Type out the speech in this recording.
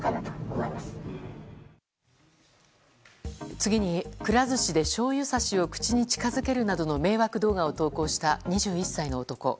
次にくら寿司で、しょうゆさしを口に近づけるなどの迷惑動画を投稿した２１歳の男。